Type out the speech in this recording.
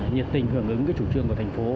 nhiệt tình hưởng ứng chủ trương của thành phố